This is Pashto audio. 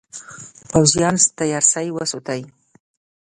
پوځیان تیار سی وساتي.